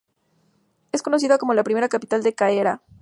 Es conocida como la "primera capital de Ceará.